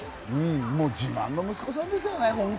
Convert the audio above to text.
もう自慢の息子さんですよね。